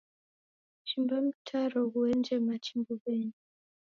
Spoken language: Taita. Chimba mtaro ghuenje machi mbuwenyi